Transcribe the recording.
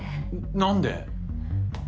何で？